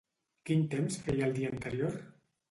Quin temps feia el dia anterior?